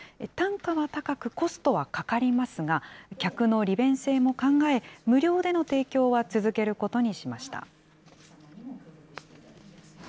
単価は高く、コストはかかりますが、客の利便性も考え、無料での提供は続けることにしました。